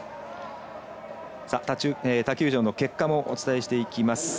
他球場の結果もお伝えしていきます。